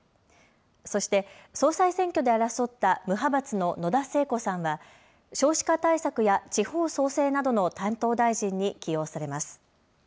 そして総裁選挙で争った無派閥の野田聖子さんは少子化対策や地方創生などの担当大臣に起用されます。